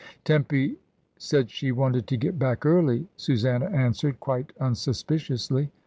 "Tempy said she wanted to get back early," Su sanna answered, quite unsuspiciously.